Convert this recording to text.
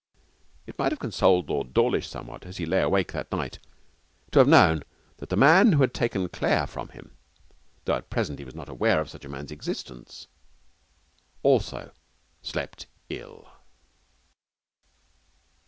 It might have consoled Lord Dawlish somewhat, as he lay awake that night, to have known that the man who had taken Claire from him though at present he was not aware of such a man's existence also slept ill.